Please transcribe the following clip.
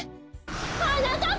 はなかっぱ！